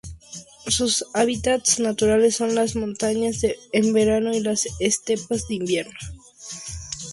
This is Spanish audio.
Sus hábitats naturales son las montañas en verano y las estepas en invierno.